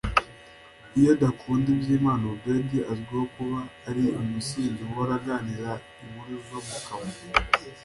Iyo adakunda iby’Imana Obed azwiho kuba ari umusinzi uhora aganira inkuru zo mu kabari